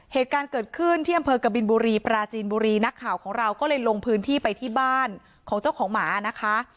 เหตุการณ์เกิดขึ้นที่อำเภอกบินบุรีปราจีนบุรีนักข่าวของเราก็เลยลงพื้นที่ไปที่บ้านของเจ้าของหมานะคะ